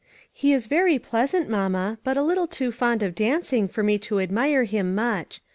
He is very pleasant, mamma, but a little too fond of dancing for me to admire him much.